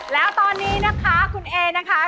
แล้วตอนนี้นะคะคุณเอนะคะ